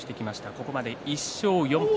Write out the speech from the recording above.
ここまで１勝４敗。